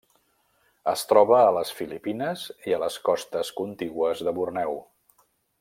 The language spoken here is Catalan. Es troba a les Filipines i a les costes contigües de Borneo.